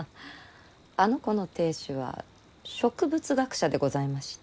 あの子の亭主は植物学者でございまして。